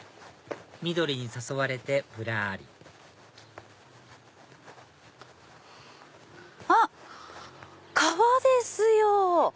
緑に誘われてぶらりあっ川ですよ！